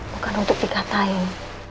bukan untuk dikatain